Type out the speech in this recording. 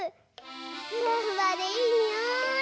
ふわふわでいいにおい！